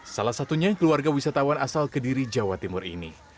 salah satunya keluarga wisatawan asal kediri jawa timur ini